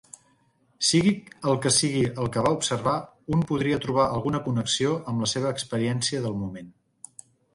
Sigui el que sigui el que va observar, un podria trobar alguna connexió amb la seva experiència del moment.